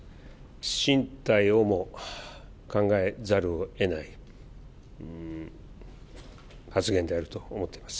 進退をも考えざるをえない発言であると思っています。